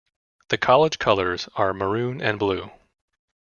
The College colours are maroon and blue.